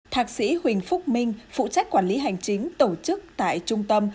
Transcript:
thạc sĩ huỳnh phúc minh phụ trách quản lý hành chính tổ chức tại trung tâm